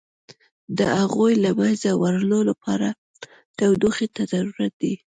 د هغوی له منځه وړلو لپاره تودوخې ته ضرورت دی.